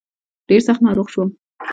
ډېر سخت ناروغ شوم.